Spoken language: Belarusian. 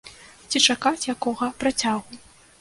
Ці чакаць якога працягу?